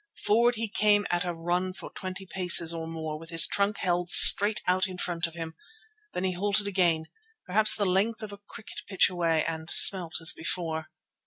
Forward he came at a run for twenty paces or more with his trunk held straight out in front of him. Then he halted again, perhaps the length of a cricket pitch away, and smelt as before.